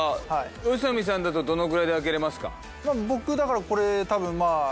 宇佐美さんだとどのぐらいで開けれますか？